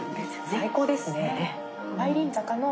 最高ですね。